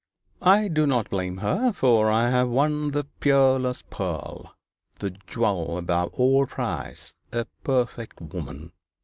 'I do not blame her; for I have won the peerless pearl the jewel above all price a perfect woman.